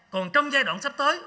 còn trong giai đoạn sắp tới